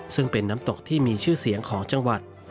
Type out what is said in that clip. ซึ่งเป็นน้ำตกที่มีชื่อเสียงของจังหวัด